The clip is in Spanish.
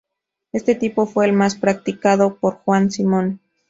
Este tipo fue el más practicado por Juan Simón.